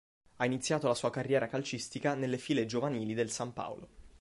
Ha iniziato la sua carriera calcistica nelle file giovanili del San Paolo.